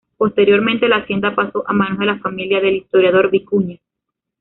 Posteriormente la hacienda pasó a manos de la familia del historiador Vicuña.